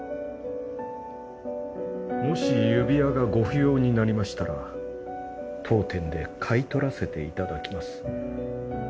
もし指輪がご不要になりましたら当店で買い取らせていただきます。